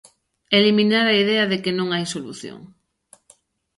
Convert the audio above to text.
Eliminar a idea de que non hai solución.